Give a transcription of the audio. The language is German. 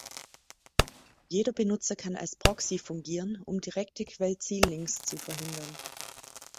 Jeder Benutzer kann als Proxy fungieren, um direkte Quell-Ziel-Links zu verhindern.